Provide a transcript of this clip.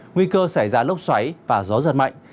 nguy cơ xảy ra lốc xoáy và gió giật mạnh